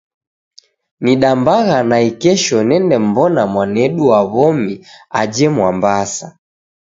Nidambagha naikesho nende mw'ona mwanedu wa w'omi aje Mwambasa.